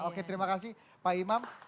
oke terima kasih pak imam